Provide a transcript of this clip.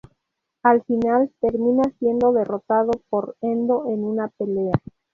Al final, termina siendo derrotado por Endo en una pelea.